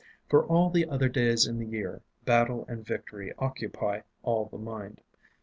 For all the other days in the year, battle and victory occupy all the mind.